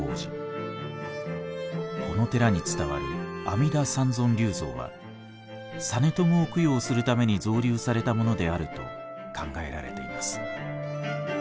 この寺に伝わる阿弥陀三尊立像は実朝を供養するために造立されたものであると考えられています。